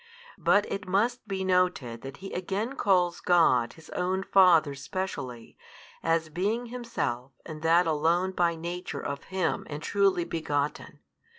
But it must be noted that He again calls God His own Father specially, as being Himself and that Alone by Nature of Him, and truly Begotten.